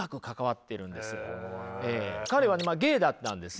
彼はゲイだったんですね。